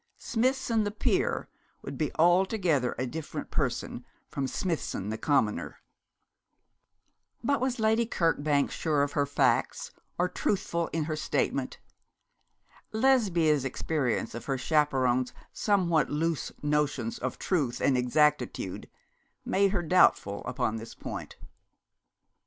Smithson the peer would be altogether a different person from Smithson the commoner. But was Lady Kirkbank sure of her facts, or truthful in her statement? Lesbia's experience of her chaperon's somewhat loose notions of truth and exactitude made her doubtful upon this point.